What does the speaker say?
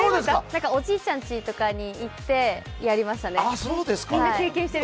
おじいちゃんちとかに行ってやりましたね。